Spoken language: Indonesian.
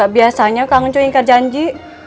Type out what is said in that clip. biasanya kang ncu nggak ikat janji